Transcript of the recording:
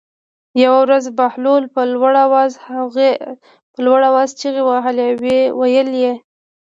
یوه ورځ بهلول په لوړ آواز چغې وهلې او ویلې یې.